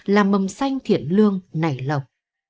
làm mầm xanh thiện lương nảy lọc